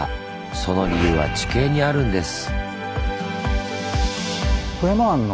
その理由は地形にあるんです。